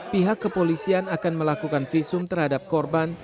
pihak kepolisian akan melakukan visum terhadap korban